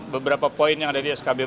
beberapa poin yang ada di skb